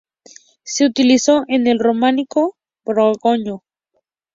Se utilizó en el románico borgoñón.